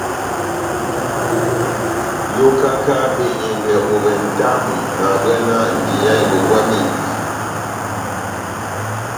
Yokaka enyɛngɛ ovɛ nʼtamwi nahabwana njeya ebongwamindi.